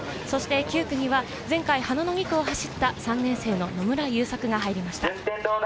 そして９区には前回、花の２区を走った３年生の野村優作が入りました。